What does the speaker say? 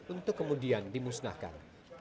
untuk kemudian dimusnahkan